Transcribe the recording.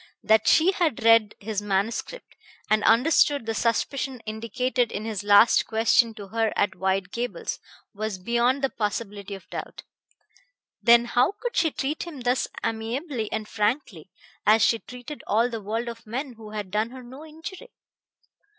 That she had read his manuscript, and understood the suspicion indicated in his last question to her at White Gables, was beyond the possibility of doubt. Then how could she treat him thus amiably and frankly, as she treated all the world of men who had done her no injury?